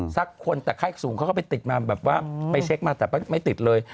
สักคนแต่ไข้สูงเขาก็ไปติดมาแบบว่าไปเช็คมาแต่ไม่ติดเลย